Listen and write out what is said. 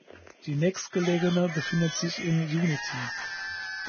Die nächstgelegene befindet sich in Unity.